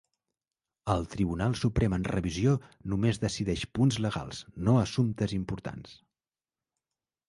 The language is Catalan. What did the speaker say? El Tribunal Suprem en revisió només decideix punts legals, no assumptes importants.